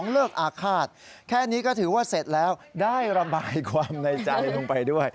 เรื่องของเรื่อง